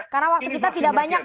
karena waktu kita tidak banyak